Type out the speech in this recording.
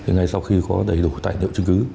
ngay sau khi có đầy đủ tài liệu chứng cứ